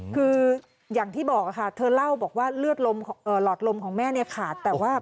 คืออย่างที่บอกค่ะเธอเล่าบอกว่าเลือดหลอดลมของแม่ขาด